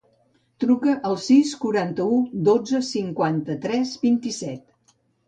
Truca al sis, quaranta-u, dotze, cinquanta-tres, vint-i-set.